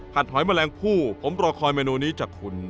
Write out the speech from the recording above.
หอยแมลงผู้ผมรอคอยเมนูนี้จากคุณ